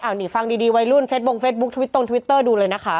นี่ฟังดีวัยรุ่นเฟสบงเฟซบุ๊คทวิตตรงทวิตเตอร์ดูเลยนะคะ